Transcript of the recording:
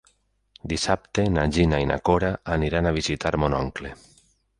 Dissabte na Gina i na Cora aniran a visitar mon oncle.